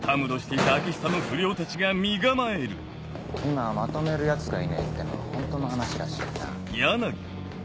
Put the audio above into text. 今はまとめるヤツがいねえってのはホントの話らしいな。